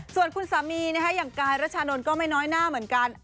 ส่วนคุณสามีอย่างกายรัชานนท์ก็ไม่น้อยหน้าเหมือนกัน